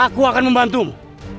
aku akan membantumu